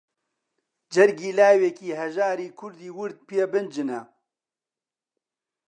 جەرگی لاوێکی هەژاری کوردی ورد پێ بنجنە